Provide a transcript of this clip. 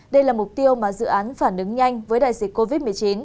đây là mục tiêu mà dự án phản ứng nhanh với đại dịch covid một mươi chín